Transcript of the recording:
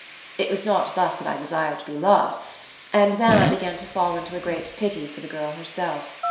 It was not thus that I desired to be loved. And then I began to fall into a great pity for the girl herself.